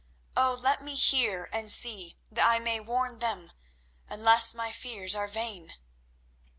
Oh! let me hear and see, that I may warn them, unless my fears are vain!"